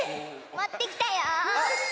もってきたよ！